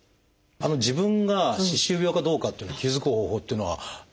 自分が歯周病かどうかっていうのに気付く方法っていうのはあるのかなと。